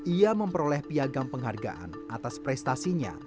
ia memperoleh piagam penghargaan atas prestasinya